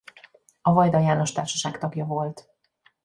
A Vajda János Társaság tagja volt.